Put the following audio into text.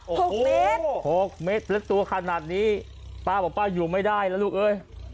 หกเมตรหกเมตรและตัวขนาดนี้ป้าบอกป้าอยู่ไม่ได้แล้วลูกเอ้ย